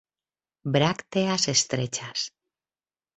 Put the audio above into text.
Brácteas estrechas.